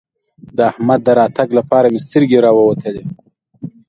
د احمد د راتګ لپاره مې سترګې راووتلې.